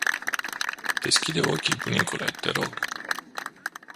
Deschide ochii bunicule te rog.